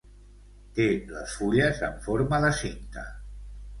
Té les fulles amb forma de cinta.